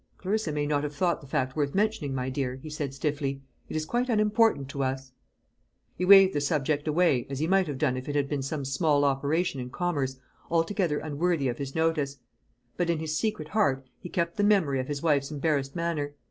"Clarissa may not have thought the fact worth mentioning, my dear," he said stiffly. "It is quite unimportant to us." He waived the subject away, as he might have done if it had been some small operation in commerce altogether unworthy of his notice; but in his secret heart he kept the memory of his wife's embarrassed manner.